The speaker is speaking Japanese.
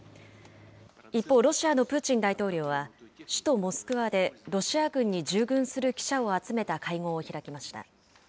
一方、ロシアのプーチン大統領は、首都モスクワでロシア軍に従軍する記者を集めた会合を開きました。